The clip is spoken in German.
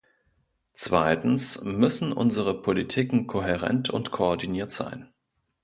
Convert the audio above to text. Zweitens müssen unsere Politiken kohärent und koordiniert sein.